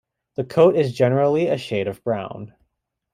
The coat is generally a shade of brown.